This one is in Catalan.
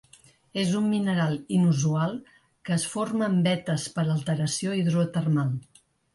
És un mineral inusual que es forma en vetes per alteració hidrotermal.